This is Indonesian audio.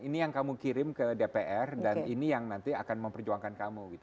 ini yang kamu kirim ke dpr dan ini yang nanti akan memperjuangkan kamu gitu